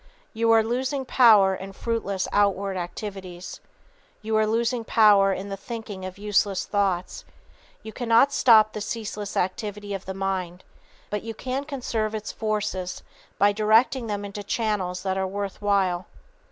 You are losing power in fruitless outward activities. You are losing power in the thinking of useless thoughts. You cannot stop the ceaseless activity of the mind. But you can conserve its forces by directing them into channels that are worth while.